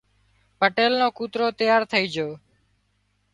پٽيل نو ڪوترو تيار ٿئي جھو